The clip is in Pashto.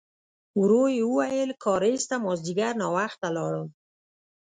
ورو يې وویل: کارېز ته مازديګر ناوخته لاړم.